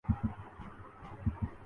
اچھا لگا